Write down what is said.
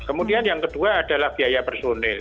kemudian yang kedua adalah biaya personil